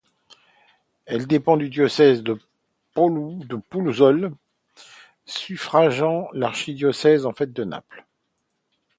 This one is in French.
Elle dépend du diocèse de Pouzolles, suffragant de l'archidiocèse de Naples.